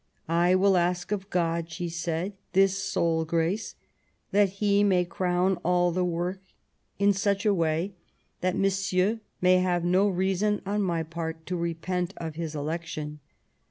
" I will ask of God," she said, "this sole grace, that He may crown all the work in such way that Monsieur may have no reason on my part to repent of his election.